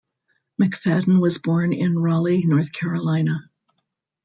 McFadden was born in Raleigh, North Carolina.